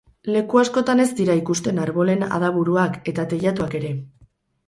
Leku askotan ez dira ikusten arbolen adaburuak eta teilatuak ere.